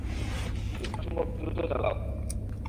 যতটা সম্ভব দ্রুত চালাও।